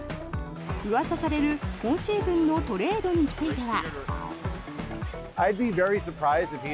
うわさされる今シーズンのトレードについては。